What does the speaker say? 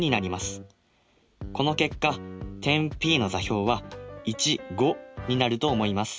この結果点Ｐの座標はになると思います。